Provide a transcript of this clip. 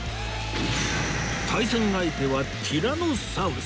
対戦相手はティラノサウルス